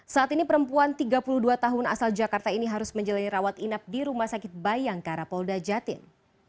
saat ini perempuan tiga puluh dua tahun asal jakarta ini harus menjalani rawat inap di rumah sakit bayangkara polda jatim